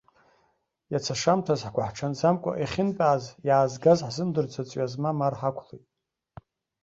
Иац ашамҭаз, ҳгәаҳҽанӡамкәа, иахьынтәааз, иаазгаз ҳзымдырӡо, ҵҩа змам ар ҳақәлеит.